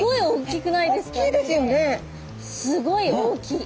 すごい大きい。